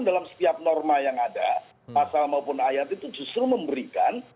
dalam setiap norma yang ada pasal maupun ayat itu justru memberikan